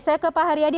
saya ke pak haryadi